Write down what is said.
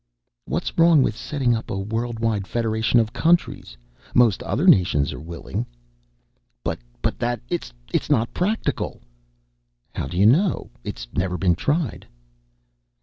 "What's wrong with setting up a world wide federation of countries? Most other nations are willing." "But that it's not practical!" "How do you know? It's never been tried."